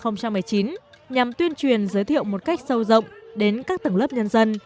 nhằm tuyên truyền giới thiệu một cách sâu rộng đến các tầng lớp nhân dân